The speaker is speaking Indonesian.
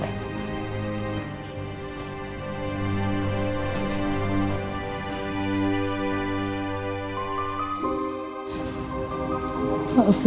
habis aku balik tadi